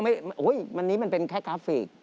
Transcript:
วันนี้มันเป็นแค่กราฟิก